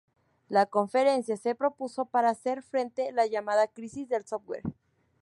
La conferencia se propuso para hacer frente la llamada crisis del software.